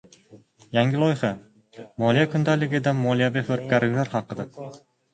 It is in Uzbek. Yangi loyiha! «Moliya kundaligi»da moliyaviy firibgarliklar haqida